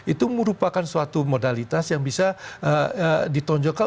itu merupakan suatu modalitas yang bisa ditonjokkan